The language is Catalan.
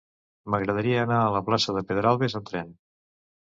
M'agradaria anar a la plaça de Pedralbes amb tren.